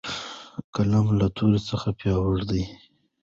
قلم له تورې څخه پیاوړی دی.